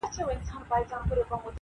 د زلمیو، د پېغلوټو، د مستیو -